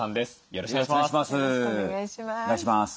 よろしくお願いします。